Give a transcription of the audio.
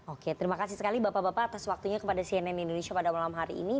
oke terima kasih sekali bapak bapak atas waktunya kepada cnn indonesia pada malam hari ini